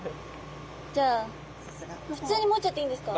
じゃあ普通に持っちゃっていいんですか？